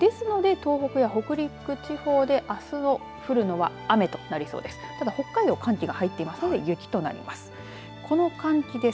東北や北陸地方であす降るのは雨となりそうです。